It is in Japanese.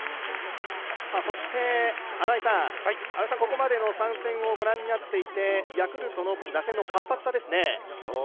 そしてここまでの３戦を御覧になっていてヤクルトの打線の活発さですね？